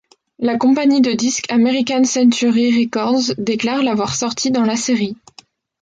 La compagnie de disques American Century Records déclare l'avoir sortie dans la série.